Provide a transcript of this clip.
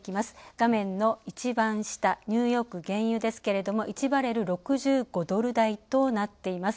画面の一番下、ニューヨーク原油ですけれども１バレル＝６５ドル台となっています。